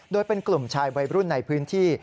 โดยเป็นกลุ่มชายวัยรุ่นในพื้นที่